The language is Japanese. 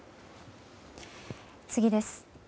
次です。